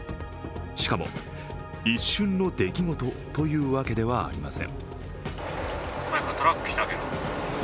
しかも、一瞬の出来事というわけではありません。